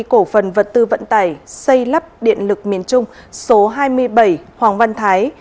cổ phần vật tư vận tải xây lắp điện lực miền trung số hai mươi bảy hoàng văn thái